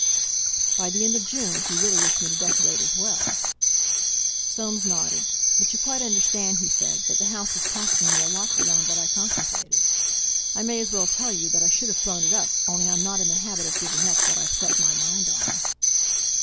"By the end of June, if you really wish me to decorate as well." Soames nodded. "But you quite understand," he said, "that the house is costing me a lot beyond what I contemplated. I may as well tell you that I should have thrown it up, only I'm not in the habit of giving up what I've set my mind on."